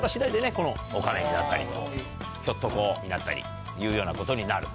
このおかめになったりひょっとこになったりいうようなことになると。